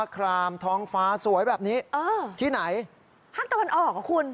ครามท้องฟ้าสวยแบบนี้เออที่ไหนภาคตะวันออกอ่ะคุณ